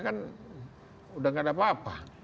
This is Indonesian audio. kan udah gak ada apa apa